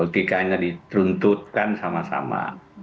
kikanya dituntutkan sama sama